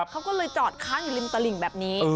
เขาก็เลยจอดค้างอยู่ริมตลิ่งแบบนี้